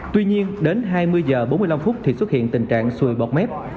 tuy nhiên đến hai mươi h bốn mươi năm thì xuất hiện tình trạng sùi bọt mép